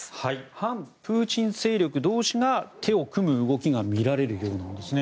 反プーチン勢力同士が手を組む動きが見られるようなんですね。